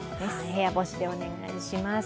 部屋干しでお願いします。